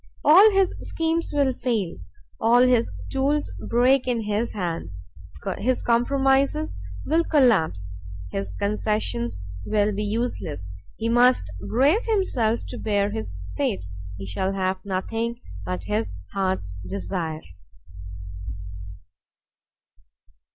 All his schemes will fail, all his tools break in his hands. His compromises will collapse, his concessions will be useless. He must brace himself to bear his fate; he shall have nothing but his heart's desire.